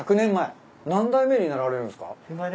何代目になられるんですか？